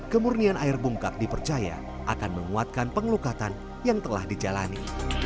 kemurnian air bungkak dipercaya akan menguatkan pengelukatan yang telah dijalani